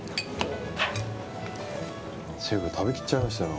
シェフ食べきっちゃいましたよ。